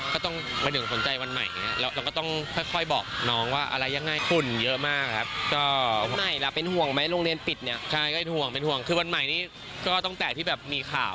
ก็ต้องเป็นอย่างสนใจวันใหม่